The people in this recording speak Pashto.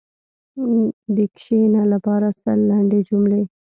د “کښېنه” لپاره سل لنډې جملې: